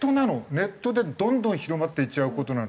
ネットでどんどん広まっていっちゃう事なの？